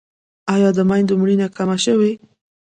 آیا د میندو مړینه کمه شوې؟